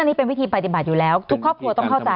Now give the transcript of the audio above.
อันนี้เป็นวิธีปฏิบัติอยู่แล้วทุกครอบครัวต้องเข้าใจ